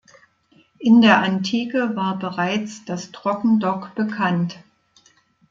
In der Antike war bereits das Trockendock bekannt.